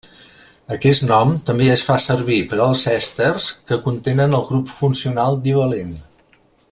Aquest nom també es fa servir per als èsters que contenen el grup funcional divalent.